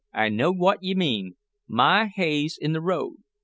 "I know what ye mean. My hay's in the road.